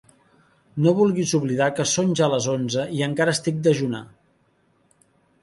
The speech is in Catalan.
No vulguis oblidar que són ja les onze i encara estic dejuna!